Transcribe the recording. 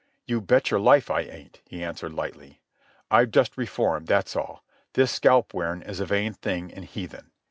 "You bet your life I ain't," he answered lightly. "I've just reformed, that's all. This scalp wearin' is a vain thing and heathen."